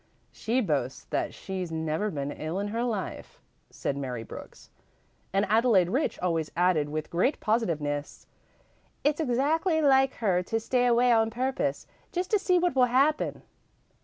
"She boasts that she's never been ill in her life," said Mary Brooks. And Adelaide Rich always added with great positiveness, "It's exactly like her to stay away on purpose, just to see what will happen."